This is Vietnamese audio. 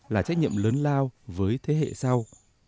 là trách nhiệm lớn lao với thế hệ sau